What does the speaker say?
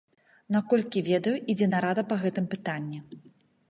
Наколькі ведаю, ідзе нарада па гэтым пытанні.